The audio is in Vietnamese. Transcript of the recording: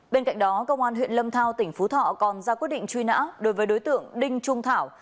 bên cạnh đó công an huyện lâm thao tỉnh phú thọ còn ra quyết định truy nã đối với đối tượng đinh trung thảo